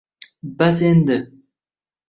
Bas, endi kin